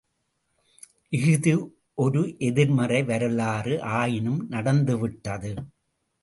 இஃது ஒரு எதிர்மறை வரலாறு, ஆயினும் நடந்துவிட்டது.